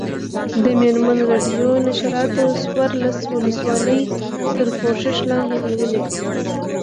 د مېرمن راډیو نشراتو څوارلس ولسوالۍ تر پوښښ لاندې نیولي.